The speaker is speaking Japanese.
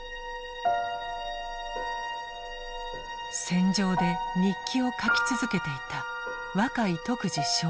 戦場で日記を書き続けていた若井徳次少尉。